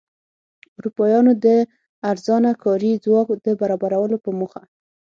اروپایانو د ارزانه کاري ځواک د برابرولو په موخه.